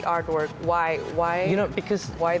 kenapa kenapa jumlahnya